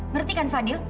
ngerti kan fadil